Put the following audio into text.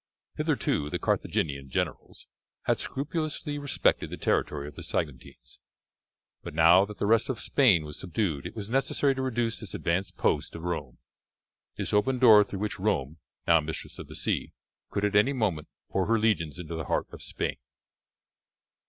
Hitherto the Carthaginian generals had scrupulously respected the territory of the Saguntines, but now that the rest of Spain was subdued it was necessary to reduce this advanced post of Rome this open door through which Rome, now mistress of the sea, could at any moment pour her legions into the heart of Spain.